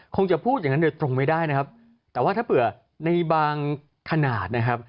คงจะพูดอย่างนั้นโดยตรงไม่ได้นะครับแต่ว่าถ้าเผื่อในบางขนาดนะครับ